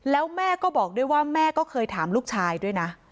แล้วแม่ก็บอกด้วยว่าแม่ก็เคยถามลูกชายด้วยนะ